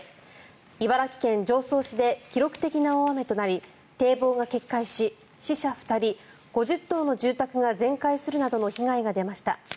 茨城県常総市で記録的な大雨となり堤防が決壊し、死者２人５０棟の住宅が全壊するなどの被害が出ました。